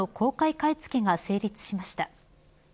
買い付けが成立しました。